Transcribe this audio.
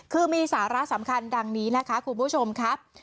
คือมีสาระสำคัญดังนี้นะคะคุณผู้ชมครับ